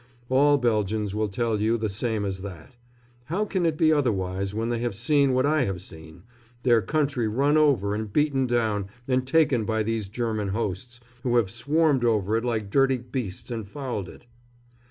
All Belgians will tell you the same as that. How can it be otherwise when they have seen what I have seen their country run over and beaten down and taken by these German hosts, who have swarmed over it like dirty beasts and fouled it?